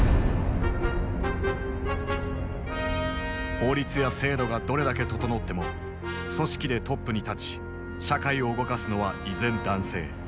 法律や制度がどれだけ整っても組織でトップに立ち社会を動かすのは依然男性。